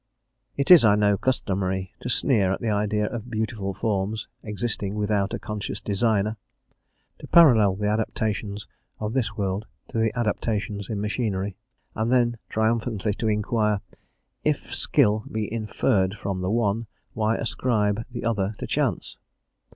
It is, I know, customary to sneer at the idea of beautiful forms existing without a conscious designer, to parallel the adaptations of this world to the adaptations in machinery, and then triumphantly to inquire, "if skill be inferred from the one, why ascribe the other to chance?"